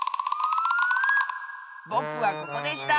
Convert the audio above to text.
ぼくはここでした！